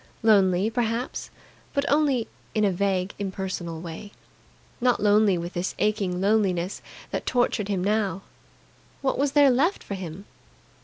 Lonely, perhaps, but only in a vague, impersonal way. Not lonely with this aching loneliness that tortured him now. What was there left for him?